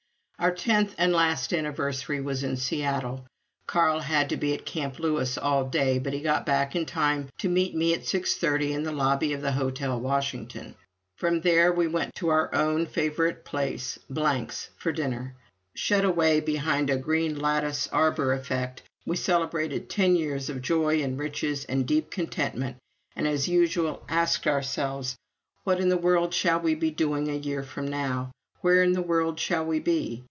Our tenth and last anniversary was in Seattle. Carl had to be at Camp Lewis all day, but he got back in time to meet me at six thirty in the lobby of the Hotel Washington. From there we went to our own favorite place Blanc's for dinner. Shut away behind a green lattice arbor effect, we celebrated ten years of joy and riches and deep contentment, and as usual asked ourselves, "What in the world shall we be doing a year from now? Where in the world shall we be?"